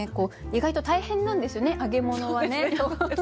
意外と大変なんですよね揚げ物はね。